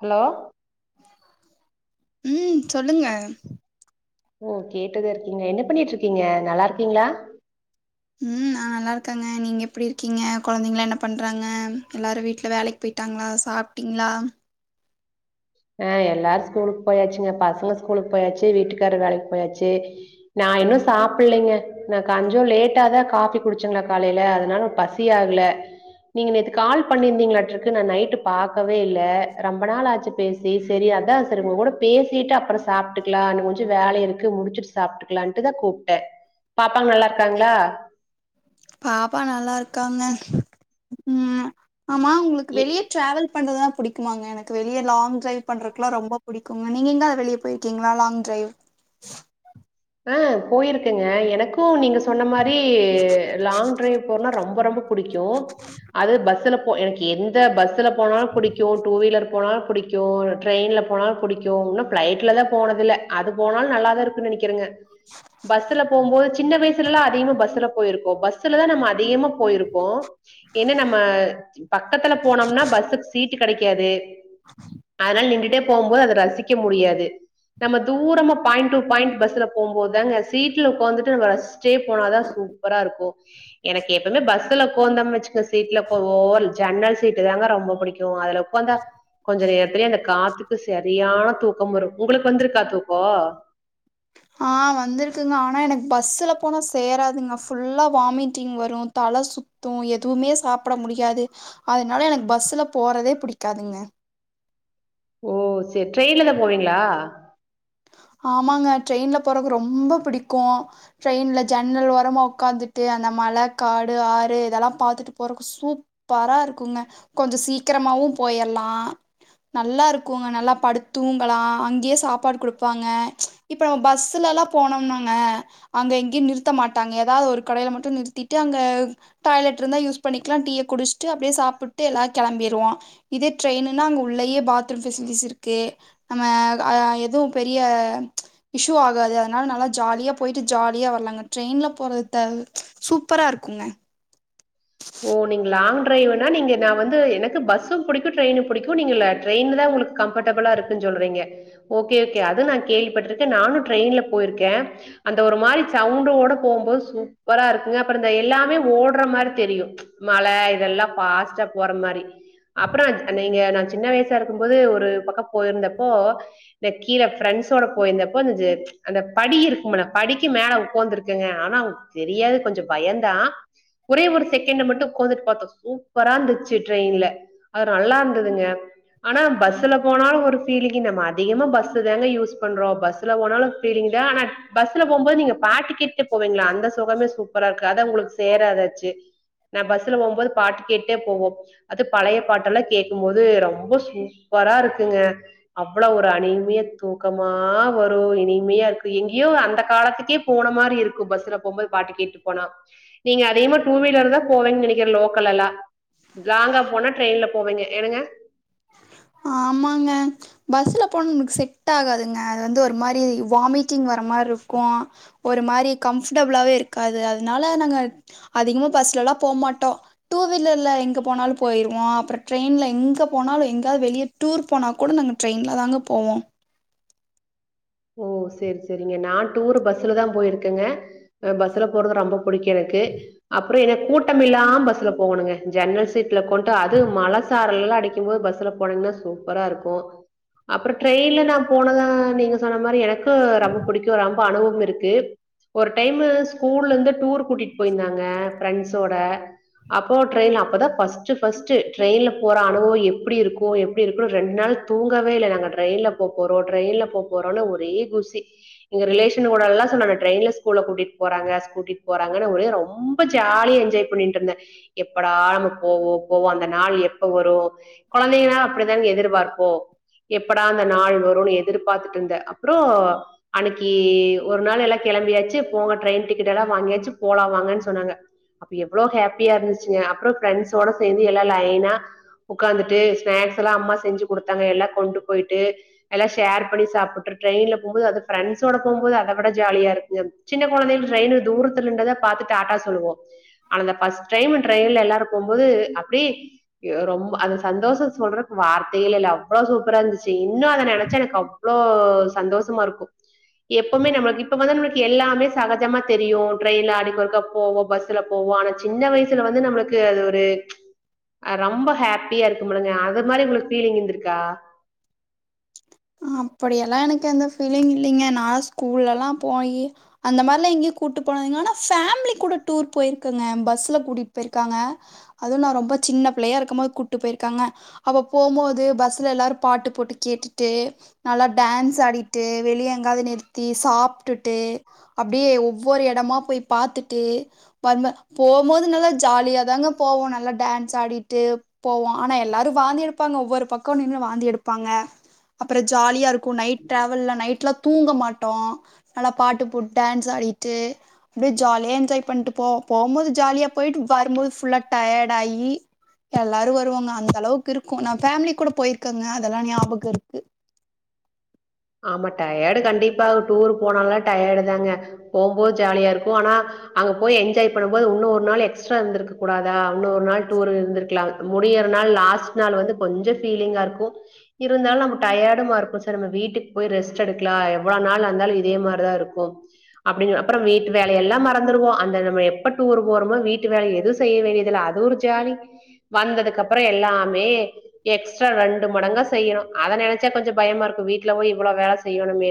hello ம் சொல்லுங்க ஓ கேட்டுதா இருக்கீங்க என்ன பண்ணிட்டு இருக்கீங்க நல்லா இருக்கீங்களா ம் நான் நல்லா இருக்கேங்க நீங்க எப்டி இருக்கீங்க கொழந்தைங்களா என்ன பண்றாங்க எல்லாரும் வீட்ல வேலைக்கு போயிட்டாங்களா சாப்டிங்ளா ஆ எல்லாரும் ஸ்கூலுக்கு போயாச்சுங்க பசங்க ஸ்கூலுக்கு போயாச்சி வீட்டுக்காரு வேலைக்கு போயாச்சி நா இன்னும் சாப்பில்லைங்க நான் கஞ்சோம் லேட்டாதான் காஃபி குடிச்சங்க காலையில அதனால பசி ஆகல நீங்க நேத்து கால் பண்ணிருந்தீங்களாட்டு இருக்கு நான் நைட்டு பாக்கவே இல்ல ரொம்ப நாள் ஆச்சி பேசி செரி அதான் செரி உங்க கூட பேசிட்டு அப்புறம் சாப்பட்டுக்கலானு கொஞ்சம் வேல இருக்கு முடிச்சிட்டு சாப்பிட்டுக்கலான்ட்டுதா கூப்டேன் பாப்பாங்க நல்லா இருக்காங்களா பாப்பா நல்லா இருக்காங்க ம் ஆமா உங்களுக்கு இ வெளிய ட்ராவல் பண்றதுலா பிடிக்குமாங்க எனக்கு வெளியே லாங் டிரைவ் பண்றக்குல்லாம் ரொம்ப பிடிக்குங்க நீங்க எங்கா வெளியே போயிருக்கீங்களா லாங் டிரைவ் ஆ போயிருக்கங்க எனக்கும் நீங்க சொன்ன மாரி லாங் டிரைவ் போறனா ரொம்ப ரொம்ப புடிக்கும் அது பஸ்ல கும் எனக்கு எந்த பஸ்ல போனா புடிக்கும் டூ வீலர் போனாலும் புடிக்கும் ட்ரெயின்ல போனாலும் புடிக்கும் இன்னும் பிளைட்ல தான் போனதில்ல அது போனாலும் நல்லாதான் இருக்குன்னு நெனைக்கிறங்க பஸ்ல போகும்போது சின்ன வயசுலல்லாம் அதிகமா பஸ்ல போயிருக்கோ பஸ்ல தான் நம்ம அதிகமா போயிருப்போம் என்ன நம்ம பக்கத்துல போனோம்னா பஸ்ஸுக்கு சீட் டு கெடைக்காது சரி அதனால நின்டுட்டே போகும்போது அத ரசிக்க முடியாது நம்ம தூரமா பாயிண்ட் டூ பாயிண்ட் பஸ்ல போம்போதுதாங்க சீட்ல உக்காந்துட்டு ரசிஸ்டே போனாதான் சூப்பரா இருக்கும் எனக்கு எப்பவுமே பஸ்ல உக்கோந்தம் வச்சி சீட்ல போவோல் ஜன்னல் சீட்டு தாங்க ரொம்ப புடிக் கும் அதுல உக்காந்தா கொஞ்சம் நேரத்தலே அந்த காத்து க்கு செரியான தூக்கம் வரும் உங்களுக்கு வந்துருக்கா தூக்கம் ஆ வந்துருக்குங்க ஆனா எனக்கு பஸ்ல போனா சேராதுங்க ஃபுல்லா வாமிட்டிங் வரும் தல சுத்தும் எதுவுமே சாப்பட முடியாது அதனால எனக்கு பஸ்ல போறதே படிக்காதுங்க ஓ செரி ட்ரெயின்லதான் போவீங்களா ஆமாங்க ட்ரெயின்ல போறக்கு ரொம்ப பிடிக்கும் ட்ரெயின்ல ஜன்னல் ஓரமா உட்காந்துட்டு அந்த மழை காடு ஆறு இதெல்லாம் பாத்துட்டு போறதுக்கு சூப்பரா இருக்குங்க கொஞ்சம் சீக்கிரமாவும் போயிடலாம் நல்லா இருக்குங்க நல்லா படுத்துங்கலாம் அங்கேயே சாப்பாடு கொடு ப்பாங்க இப்ப பஸ்லல்லாம் போனோம்னாங்க அங்க எங்கேயும் நிறுத்த மாட்டாங்க ஏதாவது ஒரு கடையில மட்டும் நிறுத்திட்டு அங்க டாய்லெட் இருந்தா யூஸ் பண்ணிக்கலாம் டீய குடிச்சுட்டு அப்படியே சாப்பிட்டு எல்லாரும் கிளம்பிடுவோம் இதே ட்ரெயின்ன்னா அங்க உள்ளேயே பாத்ரூம் ஃபெசிலிட்டிஸ் இருக்கு நம்ம எதுவும் பெரிய இஷ்யூ ஆகாது அதனால நல்லா ஜாலியா போயிட்டு ஜாலியா வரலாங்க ட்ரெயின்ல போறது சூப்பரா இருக்குங்க ஓ நீங்க லாங் டிரரைவ்ன்னா நீங்க நான் வந்து எனக்கு பஸ்ஸும் பிடிக்கும் ட்ரெயினும் பிடிக்கும் நீங்க ட்ரெயின்ல தான் உங்களுக்கு கம்ஃபர்டபுளா இருக்குன்னு சொல்றீங்க ஓகே ஓகே அது நான் கேள்விப்பட்டிருக்கேன் நானும் ட்ரெயின்ல போயிருக்கேன் அந்த ஒரு மாதிரி சவுண்டோட போகும் போது சூப்பரா இருக்குங்க அப்புறம் இந்த எல்லாமே ஓடுற மாதிரி தெரியும் மலை இதெல்லாம் பாஸ்ட்டா போற மாதிரி அப்புறம் நீங்க ந சின்ன வயசா இருக்கும் போது ஒரு பக்கம் போயிருந்தப்போ கீழ பிரண்ஸ்ஸோட போயிருந்தப்போ அந்த படி இருக்கு படிக்கு மேல உட்காந்து இருக்குங்க ஆனா தெரியாது கொஞ்சம் பயம்தான் ஒரே ஒரு செகன்ட்மட்டும் சுத்தி பார்த்தோம் சூப்பரா இந்துச்சு ட்ரெயின்ல நல்லா இருந்ததுங்க ஆனா பஸ்ல போனா ஒரு பீலிங்குங்க மதியமும் பஸ்சுல தாங்க யூஸ் பண்றோம் பஸ்சுல போனாலும் பீலிங்குங்க ஆனா பஸ்சுல போகும்போது நீங்க பா தூங்கிட்டு போவீங்களா அந்த சுகமே சூப்பரா இருக்கு அதான் உங்களுக்கு சேராதாச்சு நான் பஸ்ல போகும்போது பாட்டு கேட்டுடே போவோம் அது பழைய பாட்டு எல்லாம் கேட்கும் போது ரொம்ப சூப்பரா இருக்குங்க அவ்வளவு ஒரு அனிமைய தூக்கமா வரும் இனிமையா இருக்கும் எங்கேயோ அந்த காலத்துக்கே போன மாதிரி இருக்கும் பஸ்ல போகும்போது பாட்டு கேட்டு போனா நீங்க அதிகமா டூ வீலர் தான் போவிங்கனு நினைக்கிறேன் லோக்கலல்லா லாங்கா போனா ட்ரெயின்ல போவிங்க என்னங்க ஆமாங்க பஸ்ல போன நமக்கு செட் ஆகாதுங்க அது வந்து ஒரு மாதிரி வாமிட்டிங் வர மாதிரி இருக்கும் ஒரு மாதிரி கம்ஃபர்டபிளாவே இருக்காது அதனால நாங்க அதிகமா பஸ்ல எல்லாம் போகமாட்டோம் டூ வீலர்ல எங்க போனாலும் போயிருவோம் அப்புறம் ட்ரெயின்ல எங்க போனாலும் எங்க வெளியே டூர் போனா கூட நாங்க ட்ரெயின்ல தாங்க போவோம் ஓ செரி செரிங்க நான் டூரு பஸ்லதான் போயிருக்கேங்க பஸ்ல போறது ரொம்ப பிடிக்கும் எனக்கு அப்புறம் எனக்கு கூட்டம் இல்லாம பஸ்ல போகணுங்க ஜன்னல் சீட் கொண்டு அது மழசாரல் நல்லா அடிக்கும் போது பஸ்ல போனீங்கன்னா சூப்பரா இருக்கும் அப்புறம் ட்ரெயின்ல நான் போனதான் நீங்க சொன்ன மாதிரி எனக்கு எனக்கும் ரொம்ப பிடிக்கும் அது அனுபவம் இருக்கு ஒரு டைம் ஸ்கூலந்து டூர் கூட்டிட்டு போயிருந்தாங்க ஃப்ரெண்ட்ஸ் ஓட அப்போ ட்ரெயின்ல அப்போ தான் பர்ஸ்ட் பர்ஸ்ட்டு ட்ரெயின்ல போற அனுபவம் எப்டி இருக்கும் எப்டி இருக்கும் ரெண்டு நாள் தூங்கவே இல்ல நாங்க ட்ரெயின்ல போ போரோம் ட்ரெயின்ல போ போறோம்னு ஒரே குஷி எங்க ரிலேஷன் கூட எல்லாம் சொன்னங்க ட்ரெயின்ல ஸ்கூல்ல கூட்டிட்டு போறாங்க கூட்டிட்டு போறாங்கன்னு ஒரே ரொம்ப ஜாலியா என்ஜாய் பண்ணிட்டு இருந்தேன் எப்படா நம்ம போவோம் போவோம் அந்த நாள் எப்ப வரும் குழந்தைங்க நால அப்படிதானே எதிர்பார்ப்போம் எப்படா அந்த நாள் வரும்னு எதிர்பார்த்து அப்புறம் அன்னைக்கு ஒரு நாள் எல்லாம் கிளம்பியாச்சு போக ட்ரெயின் டிக்கெட் எல்லா வாங்கியாச்சு போலாம் வாங்கன்னு சொன்னாங்க அப்ப எவ்ளோ ஹாப்பியா இருந்துச்சுங்க அப்புறம் பிரண்ட்ஸ்சோட சேர்ந்து எல்லாம் உட்கார்ந்து ஸ்நாக்ஸ் எல்லாம் அம்மா செஞ்சு கொடுத்தாங்க எல்லாம் கொண்டு போய்ட்டு எல்லா ஷேர் பண்ணி சா ட்ரெயின்ல போம் போது அதை விட பிரெண்ட்ஸ்சோட போம் போது அதை விட ஜாலியா இருக்குங்க சின்ன குழந்தைங்க ட்ரெயின்ல தூரத்துல இருந்தத பார்த்துட்டு டாடா சொல்லுவோம் அட இந்த பர்ஸ்ட் ட்ரெயின்ல எல்லாரும் போகும் போது அப்படி ரொம்ப அந்த சந்தோஷம் சொல்றதுக்கு வார்த்த இல்ல சூப்பரா இருந்துச்சு இன்னும் அத நினைக்கும் போது அப்போ சந்தோஷமா இருக்கும் எப்பவுமே நம்மளுக்கு இப்ப வந்து நம்மளுக்கு எல்லாமே சகஜமா தெரியும் ட்ரெயின்ல அடிக்க ஒருக்கா போவோம் பஸ்ல போவோம் ஆனா சின்ன வயசுல வந்து நம்மளுக்கு அது ஒரு ஆஹ ரொம்ப ஹாப்பியா இருக்கும்லங்க அது மாதிரி உங்களுக்கு பீலிங் இருந்திருக்கா அப்படியெல்லாம் எனக்கு எந்த பீலிங் இல்லைங்க நான் ஸ்கூல்ல எல்லாபோயி அந்த மாதிர எல்லா எங்கயேயும் கூட்டு போனதிலங்க ஃபேமிலி கூட டூர் போயிருக்கங்க பஸ்ல கூட்டிட்டு போயிருக்காங்க அதுவுநான் ரொம்ப சின்ன பிள்ளையா இருக்கு போது கூட்டிட்டு போயிருக்காங்க அப்ப போம் போது பஸ்ல எல்லாரும் பாட்டு போட்டு கேட்டுட்டு நல்லா டான்ஸ் ஆடிட்டு வெளியே எங்காவது நிறுத்தி சாப்பிட்டுட்டு அப்படியே ஒவ்வொரு இடமா போய் பார்த்துட்டு வரும் போம் போது நல்லா ஜாலியாக தாங்க போவோம் நல்லா டான்ஸ் ஆடிகிட்டு போவோம் ஆனால் எல்லாரும் வாந்தி எடுப்பாங்க ஒவ்வொரு பக்கம் நின்று வாந்தி எடுப்பாங்க அப்புறம் ஜாலியா இருக்கும் நைட ட்ராவெல்ல நைட்ல தூங்க மாட்டோம் நல்லா பாட்டு போட்டு டான்ஸ் ஆடிட்டு அப்படியே ஜாலியா என்ஜாய் பண்ணிட்டு போவோம் போகும் போது ஜாலியா போயி்ட்டு வரும் போது புல்லா அ டயர்ட் ஆகி எல்லாரும் வருவோங்க அந்த அளவுக்கு இருக்கும் நான்பேமிலி கூட போயிருக்கேங்க அதெல்லாம் ஞாபக கருத்து ஆமா டயர்டு கண்டிப்பா டூர் போனாலாம் டயர்டு தாங்க போகும்போது ஜாலியா இருக்கும் ஆனா அங்க போய் என்ஜாய் பண்ணும்போது இன்னும் ஒரு நாள் எக்ஸ்ட்ரா இருந்திருக்க கூடாதா இன்னும் ஒரு நாள் டூர் இருந்திருக்கலாமுடியிற நாள் லாஸ்ட் நாள் வந்து கொஞ்சம் பிலிங்கா இருக்கும் இருந்தாலும் நம்ம டயர்டுமா இருக்கும் சார் நம்ம வீட்டுக்கு போய் ரெஸ்ட் எடுக்கலாம் எவ்வளவு நாள் இருந்தாலும் இதே மாதிரிதான் இருக்கும் அப்படின்னு அப்புறம் வீட்டு வேலைய எல்லாம் மறந்துருவோம் அந்த நம்ம எப்ப டூர் போறோமோ வீட்டு வேலை எதுவும் செய்ய வேண்டியதில்ல அது ஒரு ஜாலி வந்ததுக்கு அப்புறம் எல்லாமே எக்ஸ்ட்ரா ரெண்டு மடங்கா செய்யணும் அத நினைச்சா கொஞ்சம் பயமா இருக்குவீட்டுல போய் புல்லா அ வேலை செய்யணும்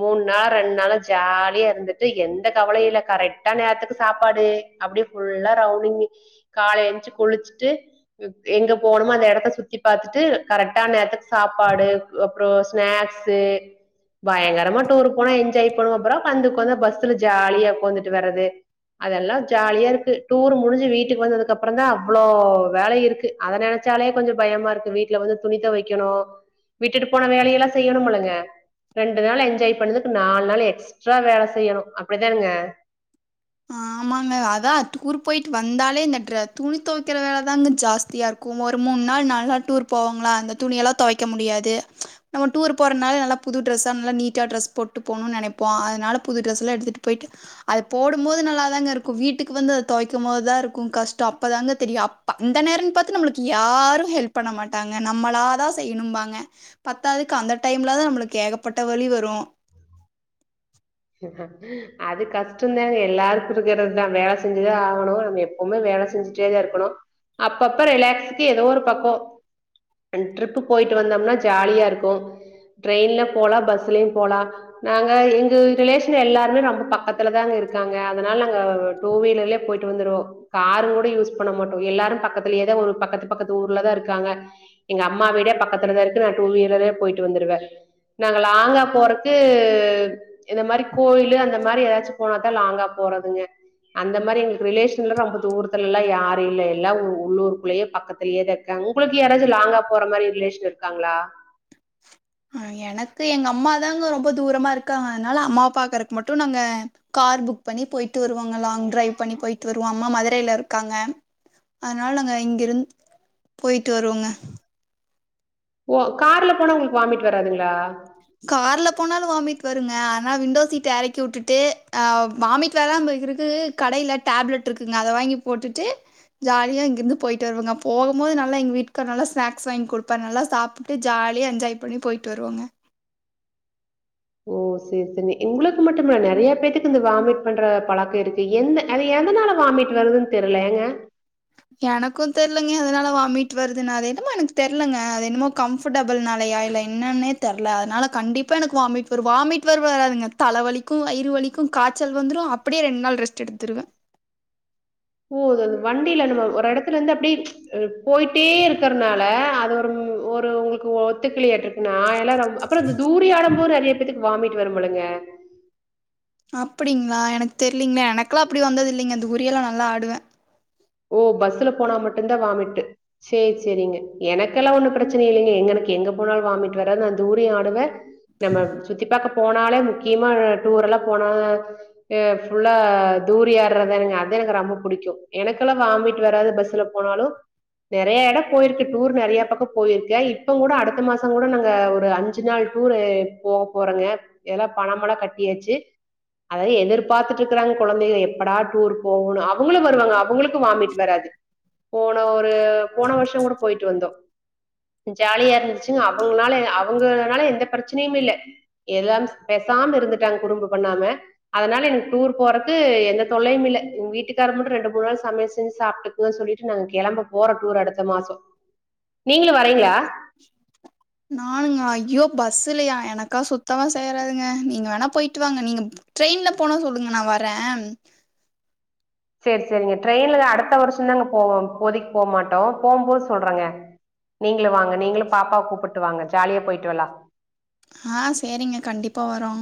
மூணு நா ரெண்டு நாள ஜாலியா இருந்துட்டு எந்த கவல இல்ல கரெக்டா நேரத்துக்கு சாப்பாடு அப்படியே புல்லா ரவுண்டிங் கால எச்சு குளிச்சுட்டு எங்க போகணுமோ அந்த இடத்த சுத்தி பாாரத்துட்டு கரெக்டா நேரத்துக்கு சாப்பாடு அப்புறோ ஸ்நாக்ஸ் து பயங்கரமா டூரு போனா என்ஜாய் பனும அப்புறகந்து உந்த பஸ்ல ஜாலியா உட்காந்துட்டு வர்றது அதெல்லா ஜாலியா இருக்கு டூர் முடிஞ்சு வீட்டுக்கு வந்ததுக்கு அப்புறம் தா அவ்வளோ வேலை இருக்கு அத நினைச்சாலே கொஞ்ச பயமா இருக்கு வீட்டுல வந்து துணி வைக்கணு விட்டுட்டு போன வேலையெல்லா செய்யணுல அ ரெண்டு நாள் என்ஜாய் பண்ணதுக்கு நாலு நாள் எக்ஸ்ட்ரா வேல செய்யணு அப்படித்தானுங்க ஆமாங்க அதா டூர் போயிட்டு வந்தாலே இந்த துணி துவைக்கிற வேலைதான்ங்க ஜாஸ்தியா இருக்கு ஒரு மூண நாள் நல்லா டூர் போவாங்களா அந்த துணியெல்லா துவைக்க முடியாது நம்ம டூர் போறனால நல்லா புது டிரெஸ்ஸா நல்லா நீட்டா டெஸ் போட்டு போணுனு நினைப்போ அதனால புது டாம் எடுத்துட்டு போயிட்டு போட போடபோது நல்லாதாங்க இருக்கு வீட்டுக்கு வந்து அத துவைக்கு போதுதா இருக்குகஷ்டம அப்பதாங்க தெரியு அப்ப அந்த நேரநம்மளுக்கு யாருஹெல்ப் பண்ண மாட்டாங்க நம்மள தா செய்யணுபாங்க பத்தாவதுக்கு அந்த டைம்ல தா நம்மளுக்கு ஏகப்பட்ட வலி வரு அது கஷ்டதா எல்லாருக்கு இருக்கிறது தா வேலை செஞ்சதா ஆகணு நம்ம எப்பவுமே வேலை செஞ்சுட்டே தா இருக்கணு அப்பப்ப ரிலாக்ஸக்கு ஏதோ ஒரு பக்க டரிப் போயிட்டு வந்தோம்னா ஜாலியா இருக்கு ட்ரெயின்ல போலா பஸ்லயும போலா நாங்க எங்க ரிலேஷன் எல்லாருமே ரொம்ப பக்கத்துலதான்ங்க இருக்காங்க அதனால நாங்க டூ வீலரில போயிட்டு வந்துவோ கார கூட யூஸ் பண்ண மாட்டோ எல்லாரு பக்கத்திலயேதா ஒரு பக்கத்து பக்கத்து ஊர்லதான் இருக்காங்க எங்க அம்மா வீடே பக்கத்துலதா இருக்கு நா டூ வீலர்யே போயிட்டு வந்துருவே நாங்க லாங்கா போறக்கு இந்த மாரி கோயிலு அந்த மாரி ஏதாச்சு போனாதா லாங்கா போறதுங்க அந்த மாரி எங்களுக்கு ரிலேஷன்ல ரொம்ப தூரத்துல எல்ல யாரு இல்ல எல்லா உள்ளூருக்குள்ளயே பக்கத்துலயே தக்க உங்களுக்கு யாராச்சு லாங்கா போற மாரி ரிலேஷன் இருக்காங்களா அ எனக்கு எங்க அம்மாதாங்க ரொம்ப தூரமா இருக்காங்க அதனால அம்மாப்பாக்கறக்கு மட்டு நாங்க கார் புக் பண்ணி போயிட்டு வருவோங்க லாங் டைவ் பண்ணி போயிட்டு வருவோ அம்மா மதுரையில இருக்காங்க அதனால நாங்க இங்கிருந்து போயிட்டு வருவோங்க ஓ கார்ல போனா உங்களுக்கு வாமிட் வராதுங்களா கார்ல போனாலு வாமிட் வருங்க ஆனா விண்டோ சீட இறக்கி விட்டுட்டு அ வாமிட் வரமருக்கு கடையில டேப்லெட் இருக்குங்க அத வாங்கி போட்டுட்டு ஜாலியா இங்கிருந்து போயிட்டு வருவங்க போகு போது நல்லா எங்க வீட்டுக்காரரு நல்லா ஸ்நாக்ஸ் வாங்கி கொடுப்பாரு நல்லா சாப்பிட்டு ஜாலியா என்ஜாய் பண்ணி போயிட்டு வருவாங்க ஓ சேரி சேரி உங்களுக்கு மட்டுஇல்ல நெறைய பேத்துக்கு இந்த வாமிட் பண்ற பழக்க இருக்கு எந்த அது எதனால வாமிட் வருதுன்னு தெரியல ஏங்க எனக்கு தெரியலங்க அதனால வாமிட் வருதுன்னா அத என்னமா எனக்கு தெர்லங்க அது என்னமோ கம்ஃபர்டபிள் நாலையா இல்ல என்னன்னே தெர்ல அதனால கண்டிப்பா எனக்கு வாமிட் வரு வாமிட் வருவராதுங்க தலை வலிக்கு வயிற வலிக்கு காய்ச்சல் வந்துடு அப்படியே ரெண்டு நாள் ரெஸ்ட் எடுத்துடுவே ஓ அ வண்டியில நம்ம ஒரு இடத்துல இருந்து அப்படியே போயிட்டே இருக்கறனால அது ஒரு ஒரு உங்களுக்கு ஒத்துக்கிளாட்டு இருக்கு நா [unintelligible] அப்புறோ இந்த தூரி ஆடு போது நெறைய பேத்துக்கு வாமிட் வரும் போலங்க அப்புடிங்களா எனக்கு தெரியலீங்கலே எனக்கெல்லா அப்படி வந்தது இல்லைங்க அந்த தூரி எல்லா நல்லா ஆடுவே ஓ பஸ்ல போனா மட்டுதா வாமிட்டு் சேரி சேரிங்க எனக்கெல்லா ஒண்ணு பிரச்சனை இல்லைங்க எங்க எனக்கு எங்க போனாலு வாமிட் வராது நா தூரியு ஆடுவே நம்ம சுத்தி பாக்க போனாலே முக்கியமா டூர் எல்லாம போனா எ ஃபுல்லா தூரி ஆட்றதங்க அது எனக்கு ரொம்ப பிடிக்கு எனக் வாமிட்வராது பஸ்ல போனாலும நெறைய இட போயிருக்கு டூர் நிறைய பக்கம் போயிருக்க இப்ப கூட அடுத்த மாச கூட நாங்க ஒரு அஞ்சு நாள் டூர் போக போறோங்க இதல்லாம பணமெல்லா கட்டியாச்சு அத எதிர்பார்த்துட்டு இருக்காங்க கொழந்தைங்க எப்படா டூர் போவோனு அவங்களு வருவாங்க அவங்களுக் வாமிட் வராது போன ஒரு போன வருஷம் கூட போயிட்டு வந்தோ ஜாலியா இருந்துச்சுால அவங்கால அவங்கனால எந்த பிரச்சனையும் இல்ல பேசாம இருட்டாங்க குறும்பு பண்ணாம அதனால எனக்கு டூர் போறது எந்த தொல்லையு இல்ல வீட்டுக்கார மட்டு ரெண்டு மூணு நாள் சமையல் செஞ்சு சாப்பிட்டுக்குன்னு சொல்லிட்டு நாங்க கிளம்ப போறோ டூர் அடுத்த மாச நானுங்கள ஐயோ பஸ்லையா எனக் அக்கா சுத்தமா சேராதுங்க நீங்க வேணா போயிட்டு வாங்க நீங்க ட்ரெயின்ல போன சொல்லுங்க நா வர சேரி சேரிங்க ட்ரெயின்ல அடுத்த வருஷதாங்க போவோ இப்போதைக்கு போமாட்டோ போபோது சொல்றங்க நீங்களு வாங்க நீங்களு பாப்பாவ கூப்பிட்டு வாங்க ஜாலியா போயிட்டு வரலா ஆ சேரிங்க கண்டிப்பா வரோ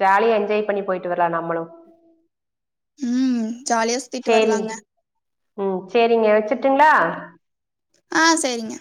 ஜாலியா என்ஜாய் பண்ணி போயிட்டு வரலா நம்மளு ம் ஜாலியா சுத்திட்டு சேரி வரலாங்க ம் சேரிங்க வச்சு டுங்களா ஆ சேரிங்க